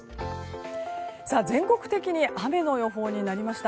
全国的に雨の予報になりました。